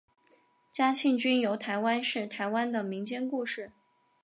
嘉庆君游台湾是台湾的民间故事。